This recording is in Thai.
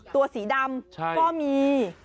ตัวสีดำก็มี